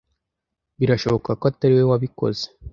birashoboka ko atari we wabikoze